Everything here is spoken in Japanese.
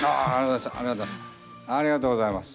ありがとうございます。